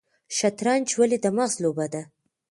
شطرنج ولې د مغز لوبه ده؟